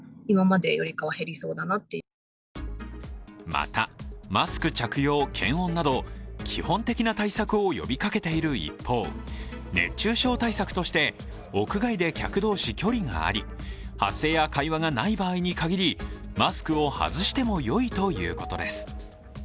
また、マスク着用・検温など基本的な対策を呼びかけている一方、熱中症対策として、屋外で客同士距離があり、発声や会話がない場合に限り、マスクを外してもよいということです。